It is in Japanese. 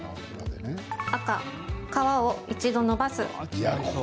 赤・皮を一度、のばす。